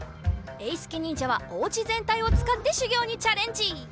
えいすけにんじゃはおうちぜんたいをつかってしゅぎょうにチャレンジ！